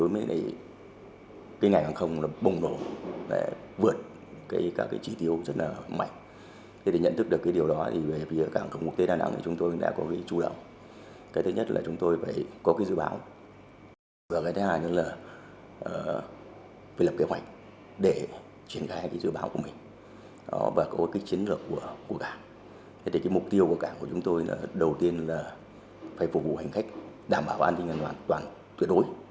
mục tiêu của cảng của chúng tôi là đầu tiên là phải phục vụ hành khách đảm bảo an ninh an toàn toàn tuyệt đối